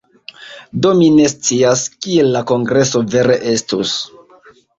Do mi ne scias, kiel la kongreso vere estus.